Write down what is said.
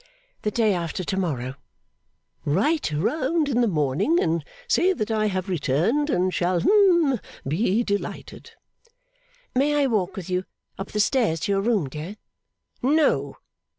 'The day after to morrow.' 'Write round in the morning, and say that I have returned, and shall hum be delighted.' 'May I walk with you up the stairs to your room, dear?' 'No!